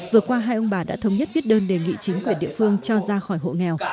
vừa qua hai ông bà đã thống nhất viết đơn đề nghị chính quyền địa phương cho ra khỏi hộ nghèo